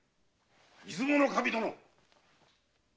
出雲守殿！